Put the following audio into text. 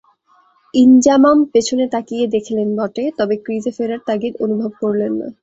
ইনজামাম পেছনে তাকিয়ে দেখলেন বটে, তবে ক্রিজে ফেরার তাগিদ অনুভব করলেন না।